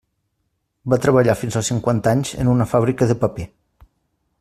Va treballar fins als cinquanta anys en una fàbrica de paper.